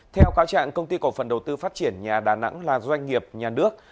theo cáo trạng công ty cổ phần đầu tư phát triển nhà đà nẵng là doanh nghiệp nhà nước